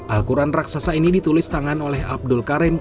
al quran raksasa ini ditulis tangan oleh abdul karim